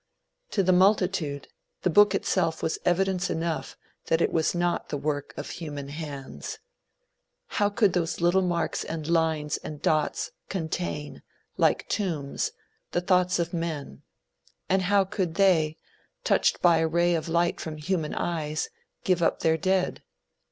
To the multitude, the book itself was evidence enough that it was not the work of human hands. How could those little marks and lines and dots contain, like tombs, the thoughts of men, and how could they, touched by a ray of light from human eyes, give up their dead?